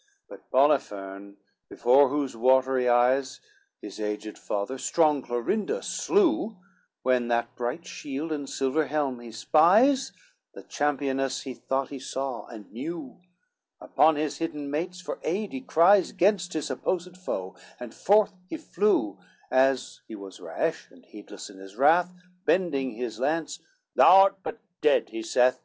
CVIII But Poliphern, before whose watery eyes, His aged father strong Clorinda slew, When that bright shield and silver helm he spies, The championess he thought he saw and knew; Upon his hidden mates for aid he cries Gainst his supposed foe, and forth he flew, As he was rash, and heedless in his wrath, Bending his lance, "Thou art but dead," he saith.